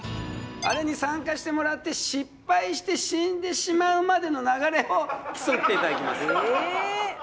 あれに参加してもらって失敗して死んでしまうまでの流れを競っていただきますえっ？